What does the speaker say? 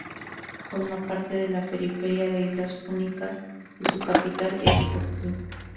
Forma parte de la periferia de Islas Jónicas y su capital es Corfú.